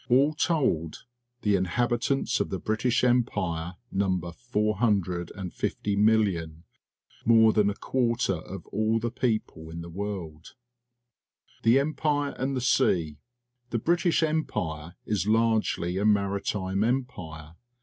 All told, the inhabitants of the British Em pire number 450,000,000 — more than a quarter of all the people in the world. The Empire and the Sea. — The British Empire is largely a Maritime Empire.